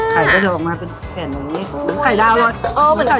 ไข่จะออกมาเป็นแขนแบบนี้